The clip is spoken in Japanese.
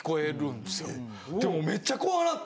でめっちゃ怖なって。